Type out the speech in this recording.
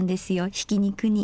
ひき肉に。